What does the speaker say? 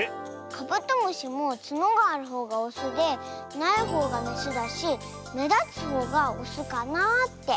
カブトムシもつのがあるほうがオスでないほうがメスだしめだつほうがオスかなあって。